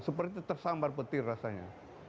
seperti tersambar petir rasanya